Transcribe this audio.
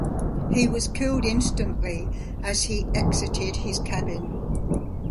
He was killed instantly as he exited his cabin.